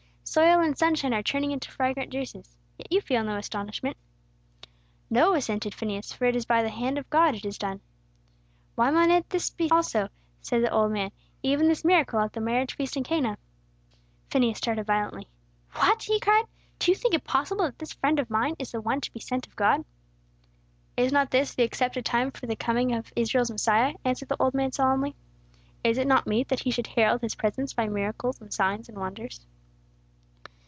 Soil and sunshine are turning into fragrant juices. Yet you feel no astonishment." "No," assented Phineas; "for it is by the hand of God it is done." "Why may not this be also?" said the old man. "Even this miracle at the marriage feast in Cana?" Phineas started violently. "What!" he cried. "Do you think it possible that this friend of mine is the One to be sent of God?" "Is not this the accepted time for the coming of Israel's Messiah?" answered the old man, solemnly. "Is it not meet that he should herald his presence by miracles and signs and wonders?"